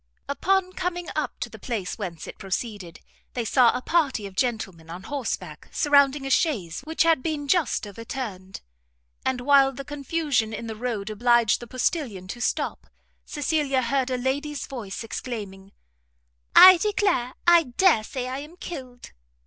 Upon coming up to the place whence it proceeded, they saw a party of gentlemen on horseback surrounding a chaise which had been just overturned; and while the confusion in the road obliged the postilion to stop Cecilia heard a lady's voice exclaiming, "I declare I dare say I am killed!"